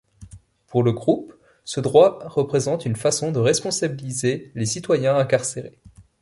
Pour le Groupe, ce droit représente une façon de responsabiliser les citoyens incarcérés.